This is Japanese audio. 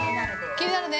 ◆気になるで。